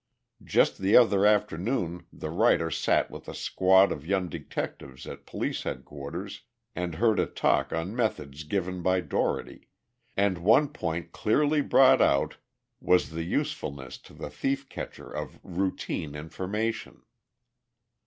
Just the other afternoon the writer sat with a squad of young detectives at Police Headquarters and heard a talk on methods given by Dougherty, and one point clearly brought out was the usefulness to the thief catcher of routine information.